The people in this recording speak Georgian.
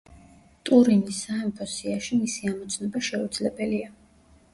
ტურინის სამეფო სიაში მისი ამოცნობა შეუძლებელია.